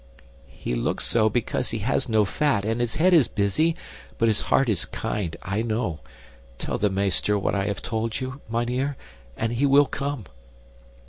"He looks so because he has no fat and his head is busy, but his heart is kind, I know. Tell the meester what I have told you, mynheer, and he will come."